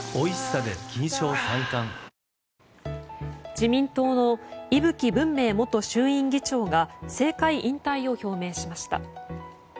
自民党の伊吹文明元衆院議長が政界引退を表明しました。